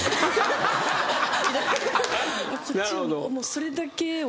それだけを。